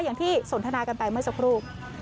อย่างที่สนทนากันไปเมื่อสักครู่